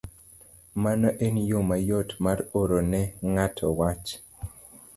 Mano en yo mayot mar oro ne ng'ato wach.